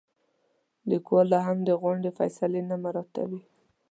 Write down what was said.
لیکوال لاهم د غونډې فیصلې نه مراعاتوي.